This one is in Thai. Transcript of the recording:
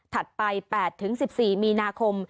ถัดไป๘๑๔มีนาคม